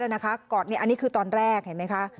อันนี้คือตอนแรกเห็นไหมคะ